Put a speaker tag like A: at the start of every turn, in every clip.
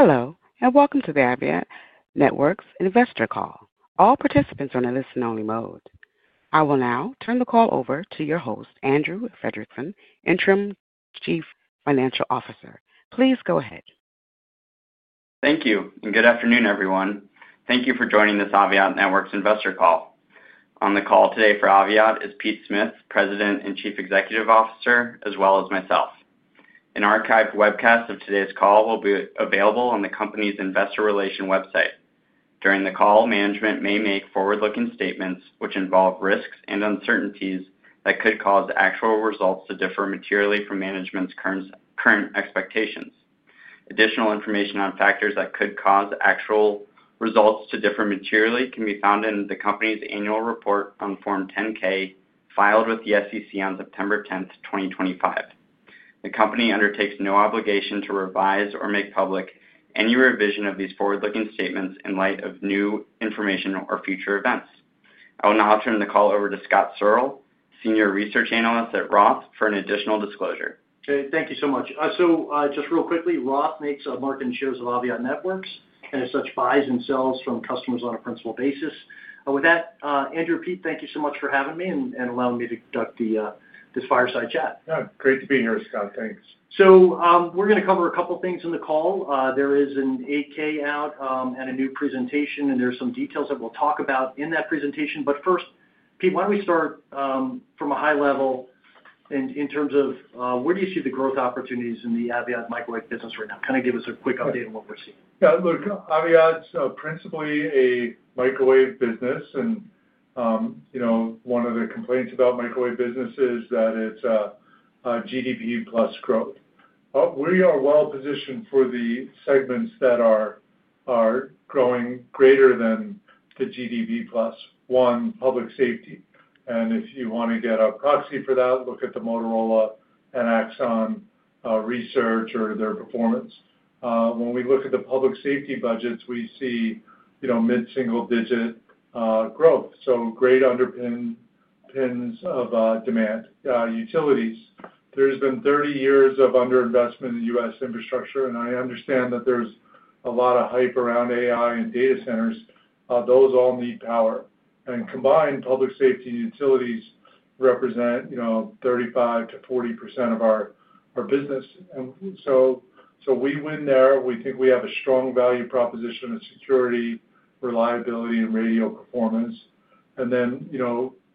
A: Hello, and welcome to the Aviat Networks investor call. All participants are in a listen-only mode. I will now turn the call over to your host, Andrew Fredrickson, Interim Chief Financial Officer. Please go ahead.
B: Thank you, and good afternoon, everyone. Thank you for joining this Aviat Networks investor call. On the call today for Aviat is Pete Smith, President and Chief Executive Officer, as well as myself. An archived webcast of today's call will be available on the company's investor relation website. During the call, management may make forward-looking statements which involve risks and uncertainties that could cause actual results to differ materially from management's current expectations. Additional information on factors that could cause actual results to differ materially can be found in the company's annual report on Form 10-K filed with the SEC on September 10, 2025. The company undertakes no obligation to revise or make public any revision of these forward-looking statements in light of new information or future events. I will now turn the call over to Scott Searle, Senior Research Analyst at Roth, for an additional disclosure.
C: Okay, thank you so much. Just real quickly, Roth makes a market in shares of Aviat Networks, and as such, buys and sells from customers on a principal basis. With that, Andrew, Pete, thank you so much for having me and allowing me to conduct this fireside chat.
D: Yeah, great to be here, Scott. Thanks.
C: We're going to cover a couple of things in the call. There is an 8-K out and a new presentation, and there are some details that we'll talk about in that presentation. But first, Pete, why don't we start from a high level in terms of where do you see the growth opportunities in the Aviat microwave business right now? Kind of give us a quick update on what we're seeing.
D: Yeah, look, Aviat's principally a microwave business, and one of the complaints about microwave businesses is that it's GDP plus growth. We are well positioned for the segments that are growing greater than the GDP plus, one public safety. If you want to get a proxy for that, look at the Motorola and Axon research or their performance. When we look at the public safety budgets, we see mid-single digit growth, so great underpinnings of demand. Utilities, there's been 30 years of underinvestment in U.S. infrastructure, and I understand that there's a lot of hype around AI and data centers. Those all need power. Combined, public safety and utilities represent 35-40% of our business. We win there. We think we have a strong value proposition of security, reliability, and radio performance.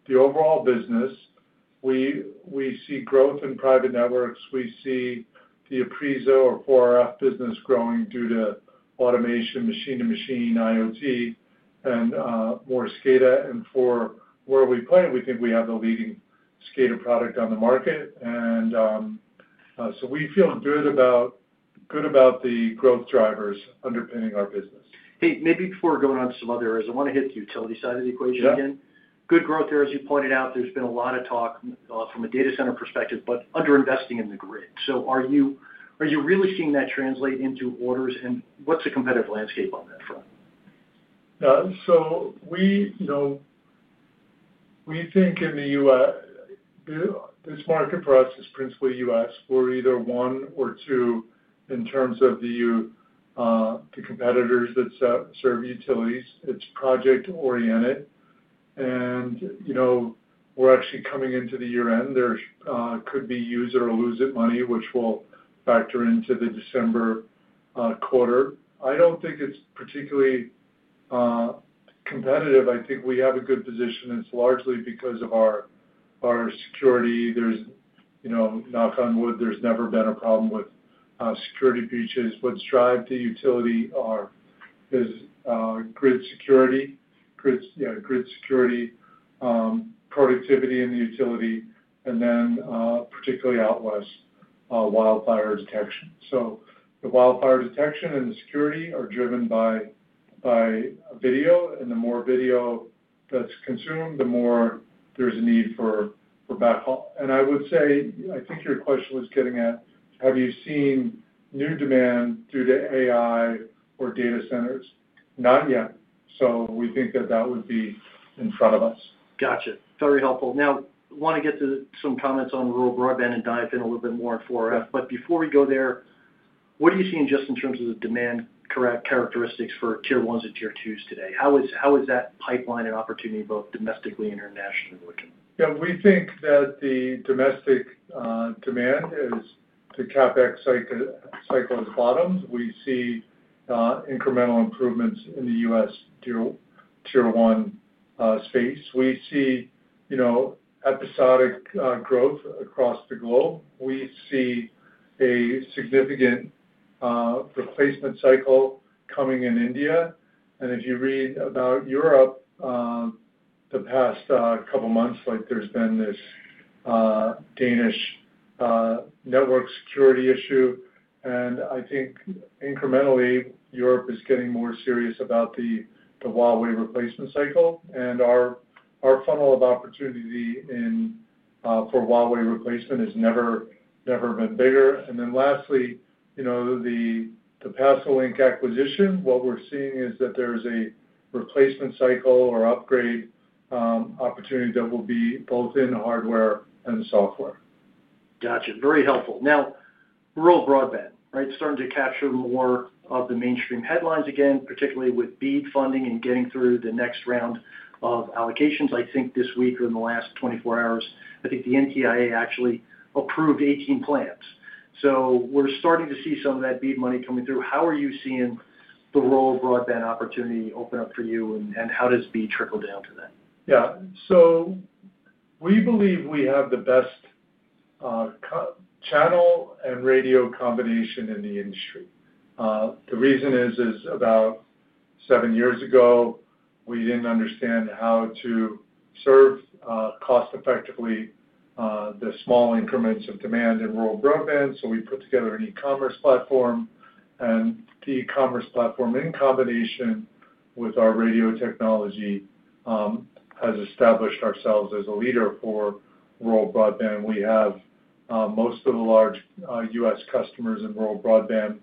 D: The overall business, we see growth in private networks. We see the Apriso or 4RF business growing due to automation, machine-to-machine, IoT, and more SCADA. For where we play, we think we have the leading SCADA product on the market. We feel good about the growth drivers underpinning our business.
C: Pete, maybe before going on to some other areas, I want to hit the utility side of the equation again. Good growth there, as you pointed out. There has been a lot of talk from a data center perspective, but underinvesting in the grid. Are you really seeing that translate into orders, and what is the competitive landscape on that front?
D: We think in the U.S., this market for us is principally U.S. We're either one or two in terms of the competitors that serve utilities. It's project-oriented, and we're actually coming into the year-end. There could be use or lose it money, which will factor into the December quarter. I don't think it's particularly competitive. I think we have a good position. It's largely because of our security. Knock on wood, there's never been a problem with security breaches. What's driving the utility are grid security, grid security, productivity in the utility, and then particularly out West, wildfire detection. The wildfire detection and the security are driven by video, and the more video that's consumed, the more there's a need for backhaul. I would say, I think your question was getting at, have you seen new demand due to AI or data centers? Not yet. We think that that would be in front of us.
C: Gotcha. Very helpful. Now, I want to get to some comments on rural broadband and dive in a little bit more on 4RF. But before we go there, what do you see in just in terms of the demand characteristics for tier ones and tier twos today? How is that pipeline and opportunity both domestically and internationally looking?
D: Yeah, we think that the domestic demand is the CapEx cycle has bottomed. We see incremental improvements in the U.S. tier one space. We see episodic growth across the globe. We see a significant replacement cycle coming in India. If you read about Europe, the past couple of months, there's been this Danish network security issue. I think incrementally, Europe is getting more serious about the Huawei replacement cycle. Our funnel of opportunity for Huawei replacement has never been bigger. Lastly, the Pasalink acquisition, what we're seeing is that there is a replacement cycle or upgrade opportunity that will be both in hardware and software.
C: Gotcha. Very helpful. Now, rural broadband, right? Starting to capture more of the mainstream headlines again, particularly with BEAD funding and getting through the next round of allocations. I think this week or in the last 24 hours, I think the NTIA actually approved 18 plans. So we're starting to see some of that BEAD money coming through. How are you seeing the rural broadband opportunity open up for you, and how does BEAD trickle down to that?
D: Yeah. So we believe we have the best channel and radio combination in the industry. The reason is about seven years ago, we did not understand how to serve cost-effectively the small increments of demand in rural broadband. So we put together an e-commerce platform, and the e-commerce platform, in combination with our radio technology, has established ourselves as a leader for rural broadband. We have most of the large U.S. customers in rural broadband.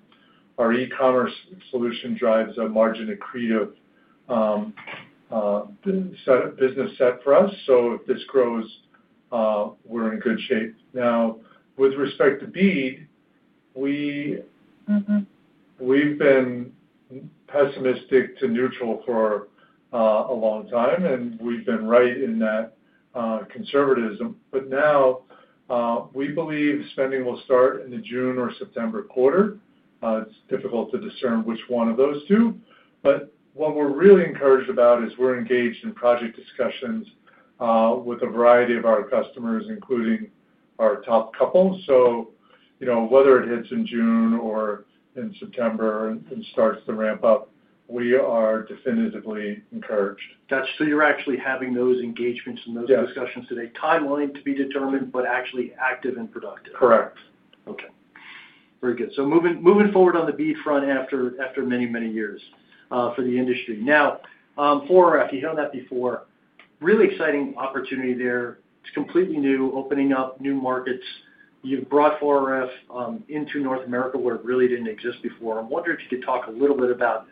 D: Our e-commerce solution drives a margin accretive business set for us. If this grows, we are in good shape. Now, with respect to BEAD, we have been pessimistic to neutral for a long time, and we have been right in that conservatism. Now, we believe spending will start in the June or September quarter. It is difficult to discern which one of those two. What we're really encouraged about is we're engaged in project discussions with a variety of our customers, including our top couple. So whether it hits in June or in September and starts to ramp up, we are definitively encouraged.
C: Gotcha. So you're actually having those engagements and those discussions today. Timeline to be determined, but actually active and productive.
D: Correct.
C: Okay. Very good. Moving forward on the BEAD front after many, many years for the industry. Now, 4RF, you've heard that before. Really exciting opportunity there. It's completely new, opening up new markets. You've brought 4RF into North America where it really didn't exist before. I'm wondering if you could talk a little bit about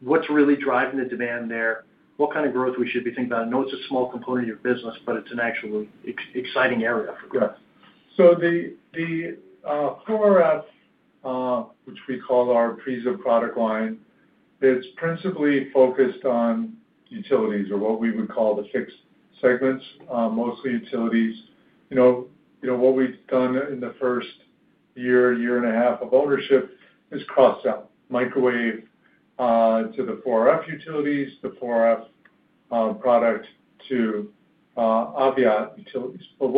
C: what's really driving the demand there, what kind of growth we should be thinking about. I know it's a small component of your business, but it's an actually exciting area for growth.
D: Yeah. So the 4RF, which we call our Apriso product line, it's principally focused on utilities or what we would call the fixed segments, mostly utilities. What we've done in the first year, year and a half of ownership is cross-sell microwave to the 4RF utilities, the 4RF product to Aviat utilities. At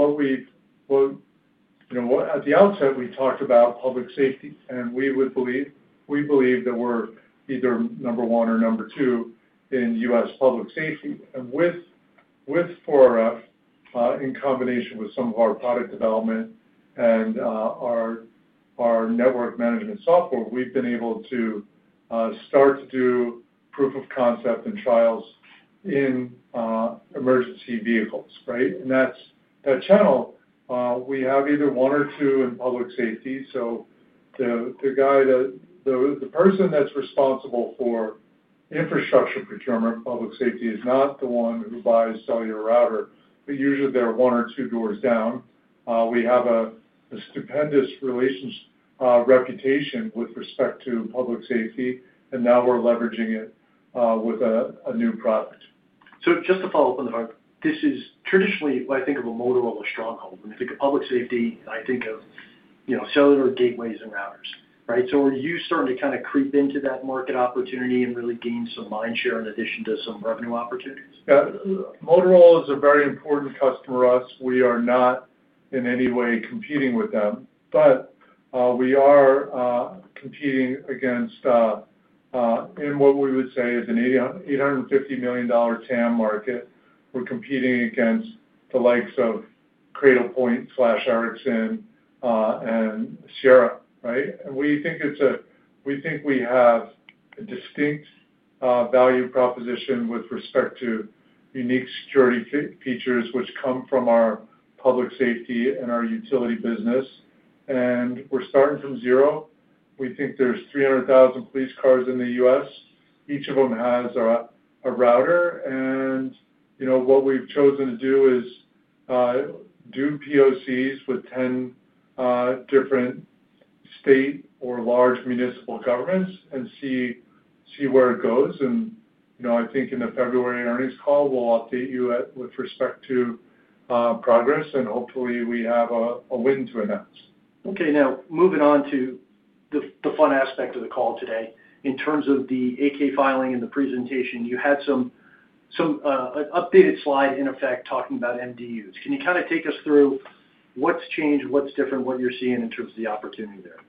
D: the outset, we talked about public safety, and we believe that we're either number one or number two in U.S. public safety. With 4RF, in combination with some of our product development and our network management software, we've been able to start to do proof of concept and trials in emergency vehicles, right? That channel, we have either one or two in public safety. The person that's responsible for infrastructure procurement, public safety is not the one who buys cellular router, but usually they're one or two doors down. We have a stupendous reputation with respect to public safety, and now we're leveraging it with a new product.
C: Just to follow up on the heart, this is traditionally what I think of as a Motorola stronghold. When I think of public safety, I think of cellular gateways and routers, right? Are you starting to kind of creep into that market opportunity and really gain some mind share in addition to some revenue opportunities?
D: Yeah. Motorola is a very important customer to us. We are not in any way competing with them, but we are competing against in what we would say is an $850 million TAM market. We're competing against the likes of Cradlepoint/Ericsson and Sierra, right? And we think we have a distinct value proposition with respect to unique security features which come from our public safety and our utility business. We're starting from zero. We think there's 300,000 police cars in the U.S. Each of them has a router. What we've chosen to do is do POCs with 10 different state or large municipal governments and see where it goes. I think in the February earnings call, we'll update you with respect to progress, and hopefully we have a win to announce.
C: Okay. Now, moving on to the fun aspect of the call today. In terms of the 8-K filing and the presentation, you had some updated slide in effect talking about MDUs. Can you kind of take us through what's changed, what's different, what you're seeing in terms of the opportunity there?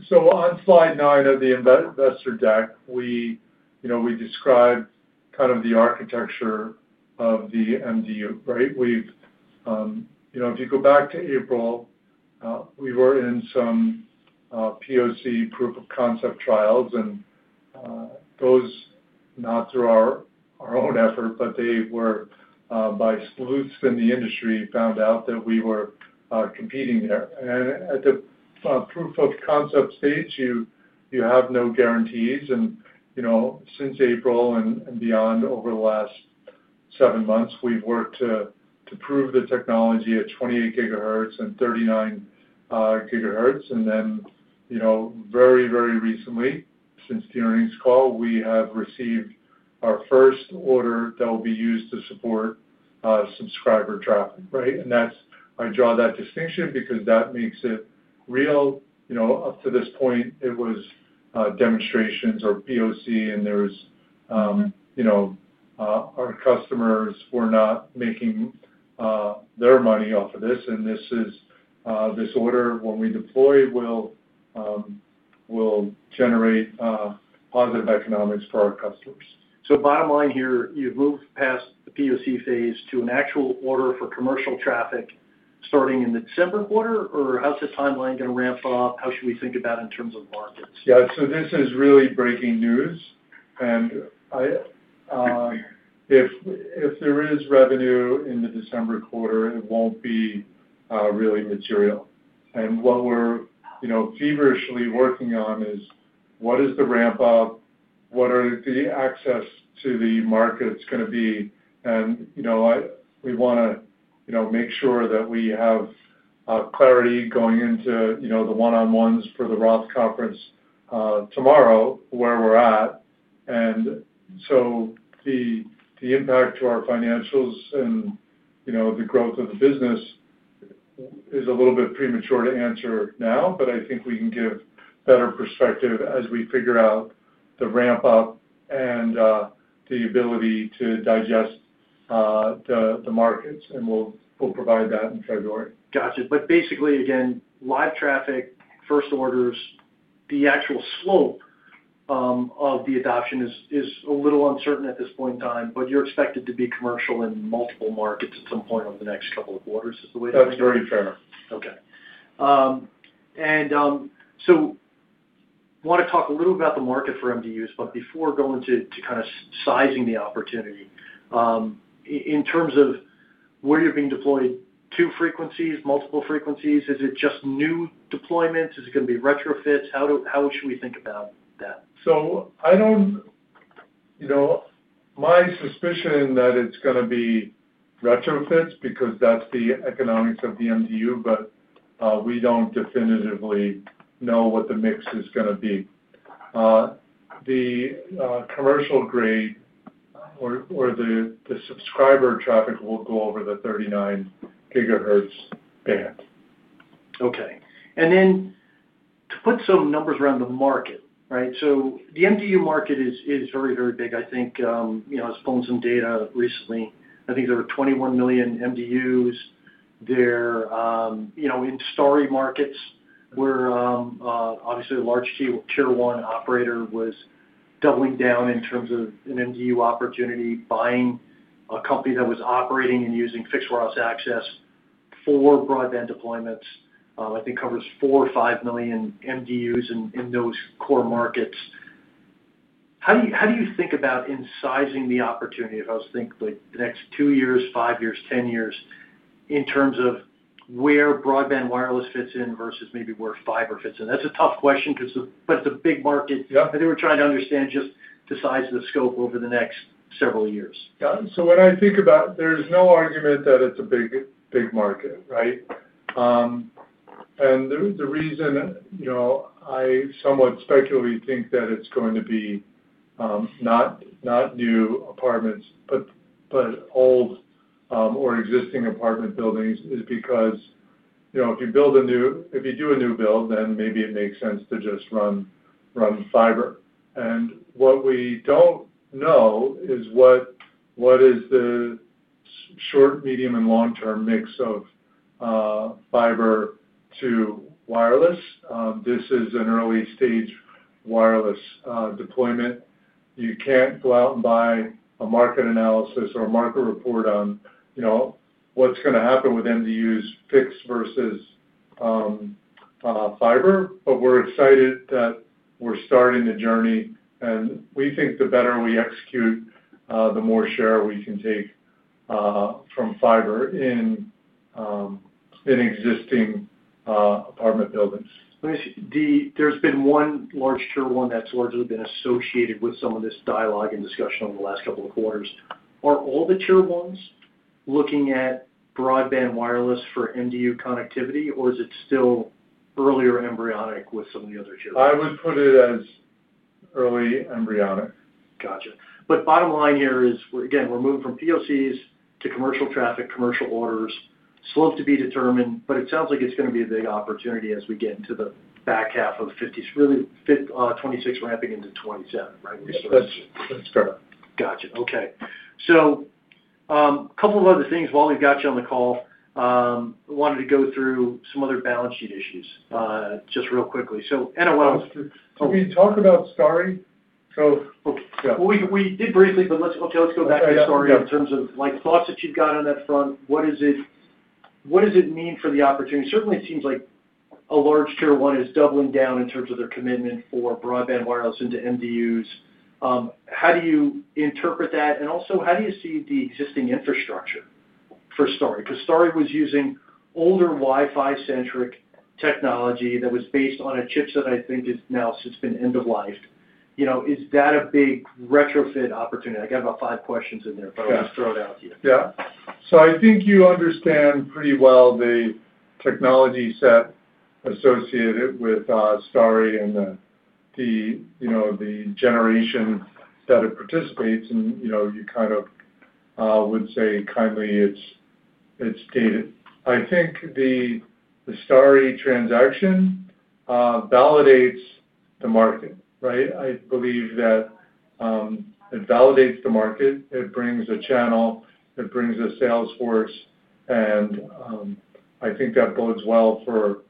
D: Yeah. On slide nine of the investor deck, we described kind of the architecture of the MDU, right? If you go back to April, we were in some POC proof of concept trials, and those, not through our own effort, but they were by sleuths in the industry, found out that we were competing there. At the proof of concept stage, you have no guarantees. Since April and beyond, over the last seven months, we've worked to prove the technology at 28 GHz and 39 GHz. Very, very recently, since the earnings call, we have received our first order that will be used to support subscriber traffic, right? I draw that distinction because that makes it real. Up to this point, it was demonstrations or POC, and our customers were not making their money off of this. This order, when we deploy, will generate positive economics for our customers.
C: Bottom line here, you've moved past the POC phase to an actual order for commercial traffic starting in the December quarter. How's the timeline going to ramp up? How should we think about it in terms of markets?
D: Yeah. This is really breaking news. If there is revenue in the December quarter, it will not be really material. What we are feverishly working on is what is the ramp up, what are the access to the markets going to be. We want to make sure that we have clarity going into the one-on-ones for the Roth conference tomorrow where we are at. The impact to our financials and the growth of the business is a little bit premature to answer now, but I think we can give better perspective as we figure out the ramp up and the ability to digest the markets. We will provide that in February.
C: Gotcha. Basically, again, live traffic, first orders, the actual slope of the adoption is a little uncertain at this point in time, but you're expected to be commercial in multiple markets at some point over the next couple of quarters is the way that we're going to go.
D: That's very fair.
C: Okay. I want to talk a little about the market for MDUs, but before going to kind of sizing the opportunity, in terms of where you're being deployed, two frequencies, multiple frequencies, is it just new deployments? Is it going to be retrofits? How should we think about that?
D: I don't, my suspicion is that it's going to be retrofits because that's the economics of the MDU, but we don't definitively know what the mix is going to be. The commercial grade or the subscriber traffic will go over the 39 GHz band.
C: Okay. To put some numbers around the market, right? The MDU market is very, very big. I think I was pulling some data recently. I think there were 21 million MDUs there in Starry markets where obviously a large tier one operator was doubling down in terms of an MDU opportunity, buying a company that was operating and using fixed wireless access for broadband deployments. I think covers 4-5 million MDUs in those core markets. How do you think about in sizing the opportunity? If I was to think the next two years, five years, ten years in terms of where broadband wireless fits in versus maybe where fiber fits in? That is a tough question, but it is a big market. I think we are trying to understand just the size of the scope over the next several years.
D: Yeah. When I think about it, there's no argument that it's a big market, right? The reason I somewhat speculatively think that it's going to be not new apartments, but old or existing apartment buildings is because if you build a new, if you do a new build, then maybe it makes sense to just run fiber. What we don't know is what is the short, medium, and long-term mix of fiber to wireless. This is an early stage wireless deployment. You can't go out and buy a market analysis or a market report on what's going to happen with MDUs fixed versus fiber, but we're excited that we're starting the journey. We think the better we execute, the more share we can take from fiber in existing apartment buildings.
C: There's been one large tier one that's largely been associated with some of this dialogue and discussion over the last couple of quarters. Are all the tier ones looking at broadband wireless for MDU connectivity, or is it still earlier embryonic with some of the other tier ones?
D: I would put it as early embryonic.
C: Gotcha. Bottom line here is, again, we're moving from POCs to commercial traffic, commercial orders, slope to be determined, but it sounds like it's going to be a big opportunity as we get into the back half of 2025, really 2026 ramping into 2027, right?
D: That's correct.
C: Gotcha. Okay. A couple of other things while we've got you on the call. I wanted to go through some other balance sheet issues just real quickly. NOLs. Can we talk about Starry? We did briefly, but okay, let's go back to Starry in terms of thoughts that you've got on that front. What does it mean for the opportunity? Certainly, it seems like a large tier one is doubling down in terms of their commitment for broadband wireless into MDUs. How do you interpret that? Also, how do you see the existing infrastructure for Starry? Because Starry was using older Wi-Fi-centric technology that was based on a chip that I think has now since been end-of-life. Is that a big retrofit opportunity? I got about five questions in there, but I'll just throw it out to you.
D: Yeah. I think you understand pretty well the technology set associated with Starry and the generation that it participates in. You kind of would say kindly it's dated. I think the Starry transaction validates the market, right? I believe that it validates the market. It brings a channel. It brings a salesforce. I think that bodes well for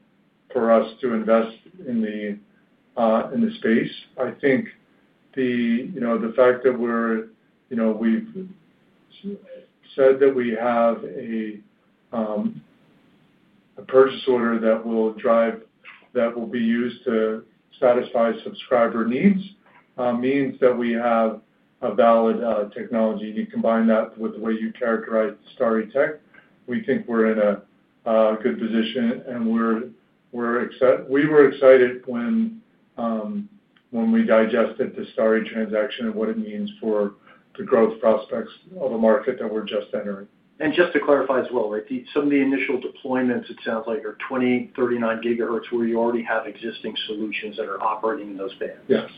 D: us to invest in the space. I think the fact that we've said that we have a purchase order that will be used to satisfy subscriber needs means that we have a valid technology. You combine that with the way you characterize the Starry tech, we think we're in a good position. We were excited when we digested the Starry transaction and what it means for the growth prospects of a market that we're just entering.
C: Just to clarify as well, right, some of the initial deployments, it sounds like, are 28, 39 GHz where you already have existing solutions that are operating in those bands.
D: Yes.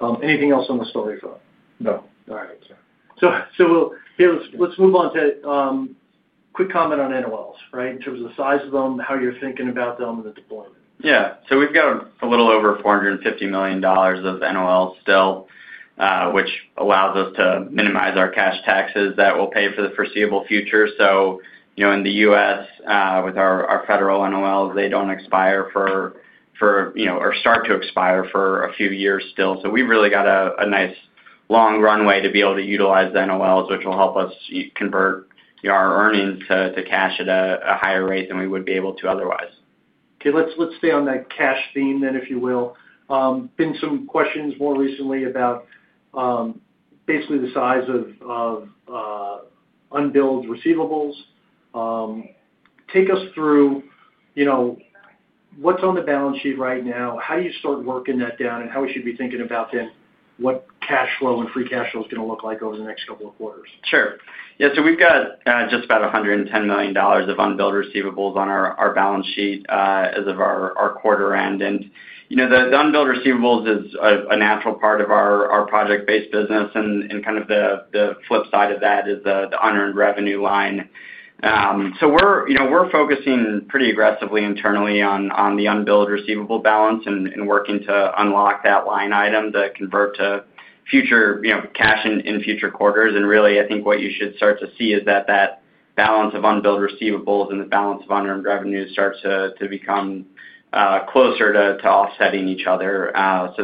C: Okay. Anything else on the Starry front?
D: No.
C: All right. Let's move on to a quick comment on NOLs, right, in terms of the size of them, how you're thinking about them and the deployment.
B: Yeah. So we've got a little over $450 million of NOLs still, which allows us to minimize our cash taxes that we'll pay for the foreseeable future. In the U.S., with our federal NOLs, they don't expire for or start to expire for a few years still. We've really got a nice long runway to be able to utilize the NOLs, which will help us convert our earnings to cash at a higher rate than we would be able to otherwise.
C: Okay. Let's stay on that cash theme then, if you will. Been some questions more recently about basically the size of unbilled receivables. Take us through what's on the balance sheet right now, how do you start working that down, and how we should be thinking about then what cash flow and free cash flow is going to look like over the next couple of quarters.
B: Sure. Yeah. We've got just about $110 million of unbilled receivables on our balance sheet as of our quarter end. The unbilled receivables is a natural part of our project-based business. The flip side of that is the unearned revenue line. We're focusing pretty aggressively internally on the unbilled receivable balance and working to unlock that line item to convert to future cash in future quarters. Really, I think what you should start to see is that the balance of unbilled receivables and the balance of unearned revenue starts to become closer to offsetting each other. That's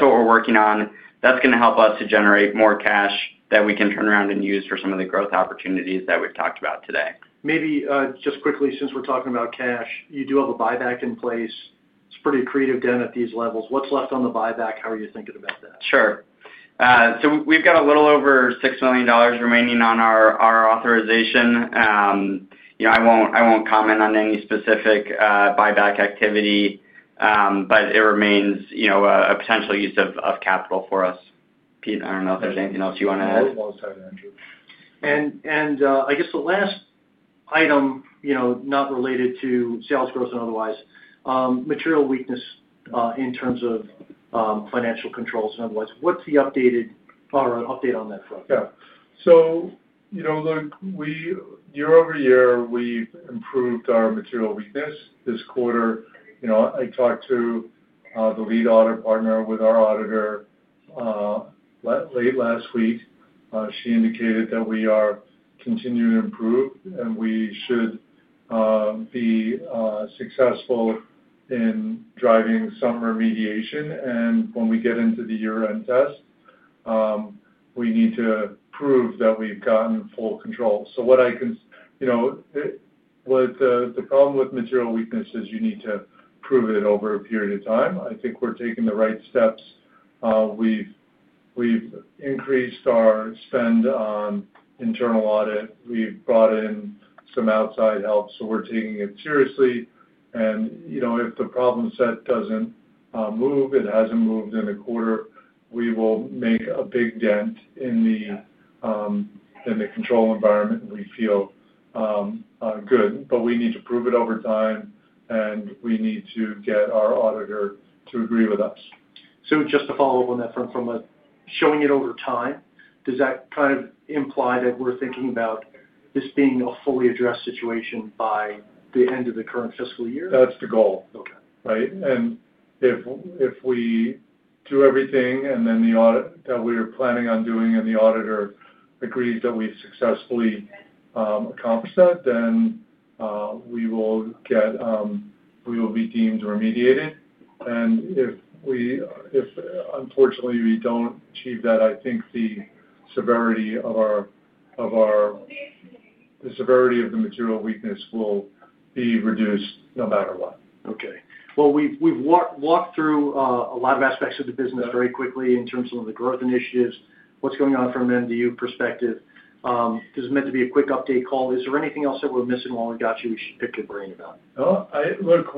B: what we're working on. That's going to help us to generate more cash that we can turn around and use for some of the growth opportunities that we've talked about today.
C: Maybe just quickly, since we're talking about cash, you do have a buyback in place. It's pretty creative down at these levels. What's left on the buyback? How are you thinking about that?
B: Sure. So we've got a little over $6 million remaining on our authorization. I won't comment on any specific buyback activity, but it remains a potential use of capital for us. Pete, I don't know if there's anything else you want to add.
D: I'll move on to that, Andrew.
C: I guess the last item, not related to sales growth and otherwise, material weakness in terms of financial controls and otherwise. What's the update on that front?
D: Yeah. Year over year, we have improved our material weakness. This quarter, I talked to the lead audit partner with our auditor late last week. She indicated that we are continuing to improve, and we should be successful in driving some remediation. When we get into the year-end test, we need to prove that we have gotten full control. What I can—the problem with material weakness is you need to prove it over a period of time. I think we are taking the right steps. We have increased our spend on internal audit. We have brought in some outside help. We are taking it seriously. If the problem set does not move, it has not moved in a quarter, we will make a big dent in the control environment. We feel good. We need to prove it over time, and we need to get our auditor to agree with us.
C: Just to follow up on that front, from showing it over time, does that kind of imply that we're thinking about this being a fully addressed situation by the end of the current fiscal year?
D: That's the goal, right? If we do everything and then the audit that we're planning on doing and the auditor agrees that we've successfully accomplished that, we will be deemed remediated. If, unfortunately, we don't achieve that, I think the severity of our—the severity of the material weakness will be reduced no matter what.
C: Okay. We have walked through a lot of aspects of the business very quickly in terms of the growth initiatives, what is going on from an MDU perspective. This is meant to be a quick update call. Is there anything else that we are missing while we have got you? We should pick your brain about it.
D: Look,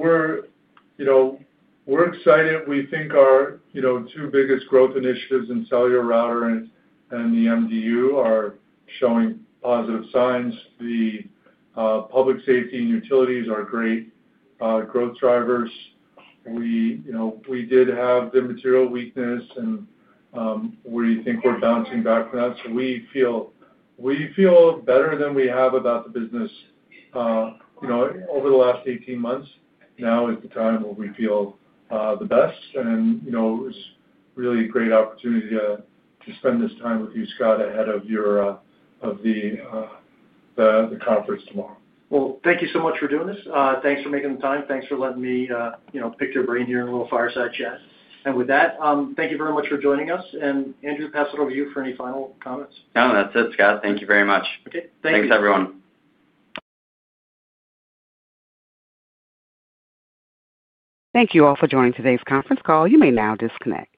D: we're excited. We think our two biggest growth initiatives in cellular router and the MDU are showing positive signs. The public safety and utilities are great growth drivers. We did have the material weakness, and we think we're bouncing back from that. We feel better than we have about the business over the last 18 months. Now is the time where we feel the best. It is really a great opportunity to spend this time with you, Scott, ahead of the conference tomorrow.
C: Thank you so much for doing this. Thanks for making the time. Thanks for letting me pick your brain here in a little fireside chat. With that, thank you very much for joining us. Andrew, pass it over to you for any final comments.
B: No, that's it, Scott. Thank you very much.
C: Okay. Thank you.
B: Thanks, everyone.
A: Thank you all for joining today's conference call. You may now disconnect.